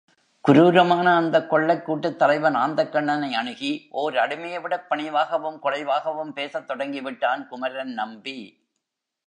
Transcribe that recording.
குரூரமான அந்தக் கொள்ளைக் கூட்டத் தலைவன் ஆந்தைக்கண்ணனை அணுகி ஓர் அடிமையைவிடப் பணிவாகவும் குழைவாகவும் பேசத் தொடங்கிவிட்டான் குமரன்நம்பி.